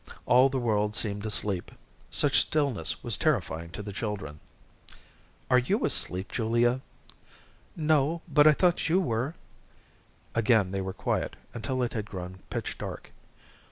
All the world seemed asleep. Such stillness was terrifying to the children. "Are you asleep, Julia?" "No, but I thought you were." Again they were quiet until it had grown pitch dark.